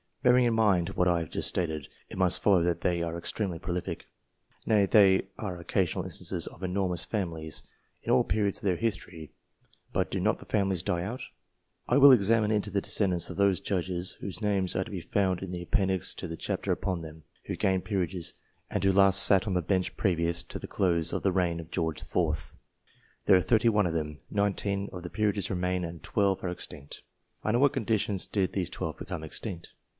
Bearing in mind what I have just stated, it must follow that they are extremely prolific. Nay, there are occasional instances of enormous families, in all periods of their history. But do not the families die out ? I will examine into the de scendants of those judges whose names are to be found in the appendix to the chapter upon them, who gained peerages, and who last sat on the Bench previous to the close of the reign of George IV. There are thirty one of them ; nineteen of the peerages remain and twelve are extinct. Under what conditions did these twelve become extinct